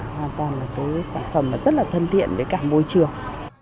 hoàn toàn là cái sản phẩm rất là thân thiện với cả môi trường